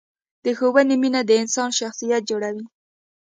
د ښوونې مینه د انسان شخصیت جوړوي.